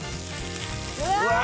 うわ！